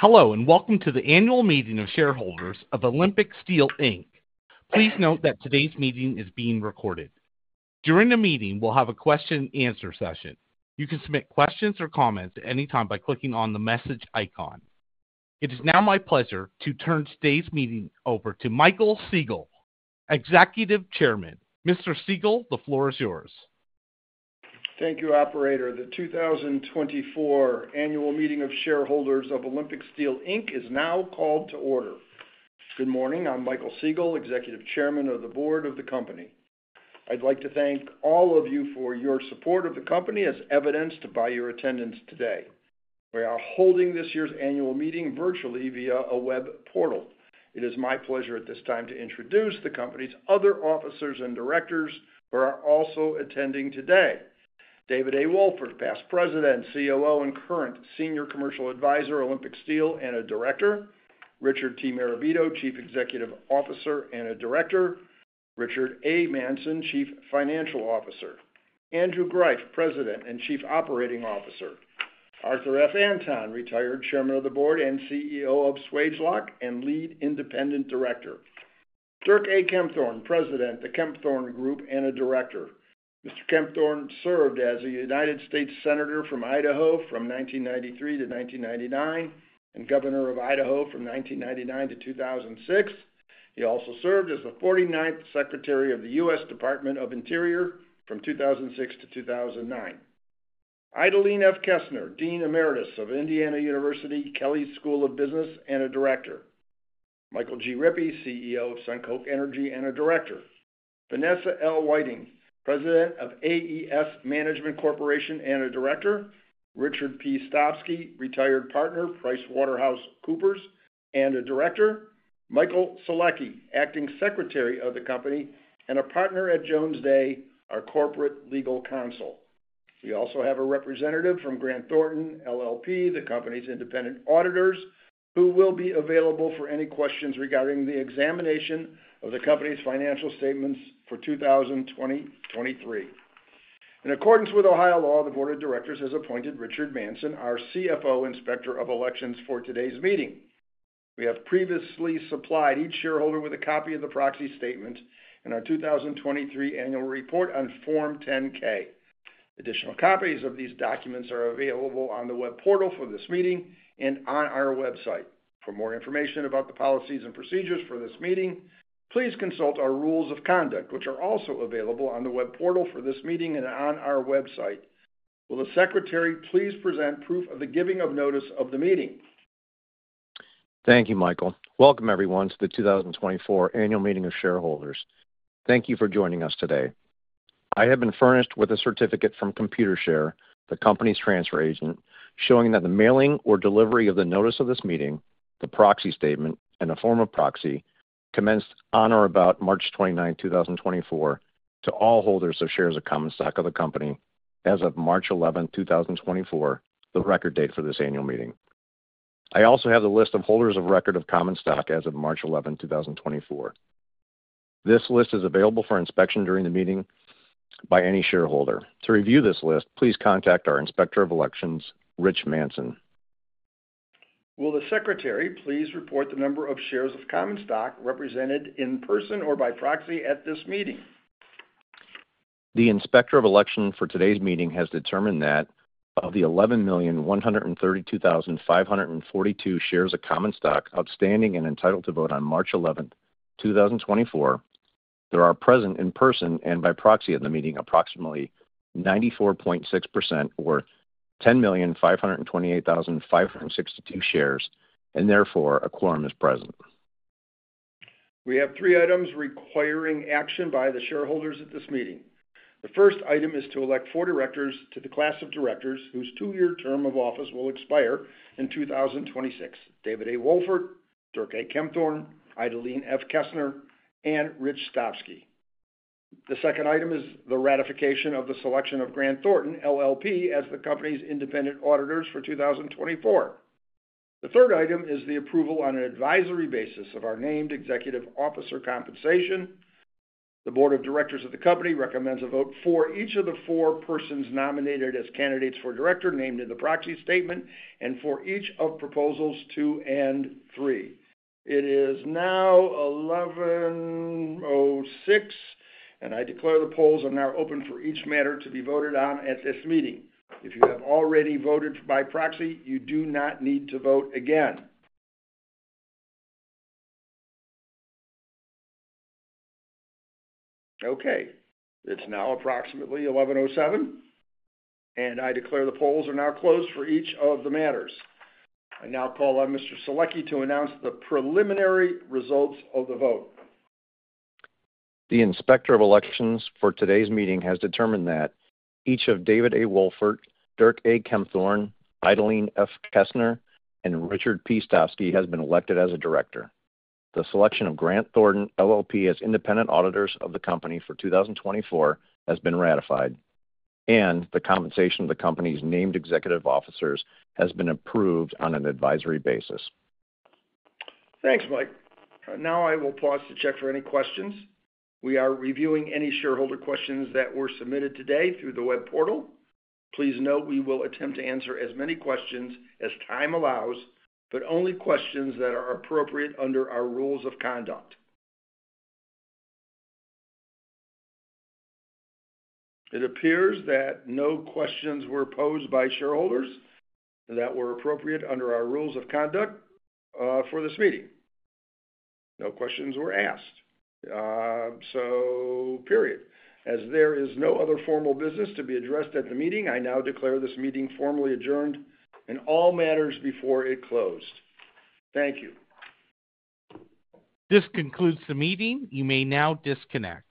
Hello and welcome to the annual meeting of shareholders of Olympic Steel, Inc. Please note that today's meeting is being recorded. During the meeting, we'll have a question-and-answer session. You can submit questions or comments at any time by clicking on the message icon. It is now my pleasure to turn today's meeting over to Michael Siegal, Executive Chairman. Mr. Siegal, the floor is yours. Thank you, Operator. The 2024 annual meeting of shareholders of Olympic Steel, Inc. is now called to order. Good morning. I'm Michael Siegal, Executive Chairman of the Board of the Company. I'd like to thank all of you for your support of the Company as evidenced by your attendance today. We are holding this year's annual meeting virtually via a web portal. It is my pleasure at this time to introduce the Company's other officers and directors who are also attending today: David A. Wolfort, past President, COO, and current Senior Commercial Advisor Olympic Steel, and a Director; Richard T. Marabito, Chief Executive Officer and a Director; Richard A. Manson, Chief Financial Officer; Andrew Greiff, President and Chief Operating Officer; Arthur F. Anton, retired Chairman of the Board and CEO of Swagelok and Lead Independent Director; Dirk A. Kempthorne, President, The Kempthorne Group, and a Director. Mr. Kempthorne served as a United States Senator from Idaho from 1993 to 1999 and Governor of Idaho from 1999 to 2006. He also served as the 49th Secretary of the U.S. Department of the Interior from 2006 to 2009. Idalene F. Kesner, Dean Emeritus of Indiana University Kelley School of Business and a Director. Michael G. Rippey, CEO of SunCoke Energy and a Director. Vanessa L. Whiting, President of AES Management Corporation and a Director. Richard P. Stovsky, retired partner PricewaterhouseCoopers and a Director. Michael Solecki, Acting Secretary of the company and a partner at Jones Day, our corporate legal counsel. We also have a representative from Grant Thornton, LLP, the company's independent auditors, who will be available for any questions regarding the examination of the company's financial statements for 2023. In accordance with Ohio law, the Board of Directors has appointed Richard Manson, our CFO Inspector of Elections, for today's meeting. We have previously supplied each shareholder with a copy of the proxy statement and our 2023 annual report on Form 10-K. Additional copies of these documents are available on the web portal for this meeting and on our website. For more information about the policies and procedures for this meeting, please consult our rules of conduct, which are also available on the web portal for this meeting and on our website. Will the Secretary please present proof of the giving of notice of the meeting? Thank you, Michael. Welcome, everyone, to the 2024 annual meeting of shareholders. Thank you for joining us today. I have been furnished with a certificate from Computershare, the company's transfer agent, showing that the mailing or delivery of the notice of this meeting, the proxy statement, and a form of proxy commenced on or about March 29, 2024, to all holders of shares of common stock of the company as of March 11, 2024, the record date for this annual meeting. I also have the list of holders of record of common stock as of March 11, 2024. This list is available for inspection during the meeting by any shareholder. To review this list, please contact our Inspector of Elections, Rich Manson. Will the Secretary please report the number of shares of common stock represented in person or by proxy at this meeting? The Inspector of Election for today's meeting has determined that of the 1,132,542 shares of common stock outstanding and entitled to vote on March 11, 2024, there are present in person and by proxy at the meeting approximately 94.6%, or 10,528,562 shares, and therefore a quorum is present. We have three items requiring action by the shareholders at this meeting. The first item is to elect four directors to the class of directors whose two-year term of office will expire in 2026: David A. Wolfort, Dirk A. Kempthorne, Idalene F. Kesner, and Richard P. Stovsky. The second item is the ratification of the selection of Grant Thornton LLP as the company's independent auditors for 2024. The third item is the approval on an advisory basis of our named executive officer compensation. The Board of Directors of the company recommends a vote for each of the four persons nominated as candidates for director named in the proxy statement and for each of proposals two and three. It is now 11:06 A.M., and I declare the polls are now open for each matter to be voted on at this meeting. If you have already voted by proxy, you do not need to vote again. Okay. It's now approximately 11:07 A.M., and I declare the polls are now closed for each of the matters. I now call on Mr. Solecki to announce the preliminary results of the vote. The Inspector of Elections for today's meeting has determined that each of David A. Wolfort, Dirk A. Kempthorne, Idalene F. Kesner, and Richard P. Stovsky has been elected as a director. The selection of Grant Thornton LLP as independent auditors of the company for 2024 has been ratified, and the compensation of the company's named executive officers has been approved on an advisory basis. Thanks, Mike. Now I will pause to check for any questions. We are reviewing any shareholder questions that were submitted today through the web portal. Please note we will attempt to answer as many questions as time allows, but only questions that are appropriate under our rules of conduct. It appears that no questions were posed by shareholders that were appropriate under our rules of conduct for this meeting. No questions were asked, so. As there is no other formal business to be addressed at the meeting, I now declare this meeting formally adjourned in all matters before it closed. Thank you. This concludes the meeting. You may now disconnect.